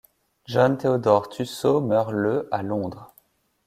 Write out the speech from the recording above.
John Theodore Tussaud meurt le à Londres.